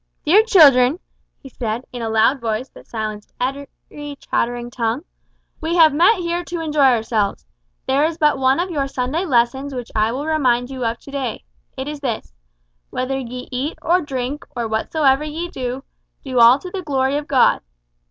"Dear children," he said, in a loud voice that silenced every chattering tongue, "we have met here to enjoy ourselves. There is but one of your Sunday lessons which I will remind you of to day. It is this, `Whether ye eat or drink, or whatsoever ye do, do all to the glory of God.'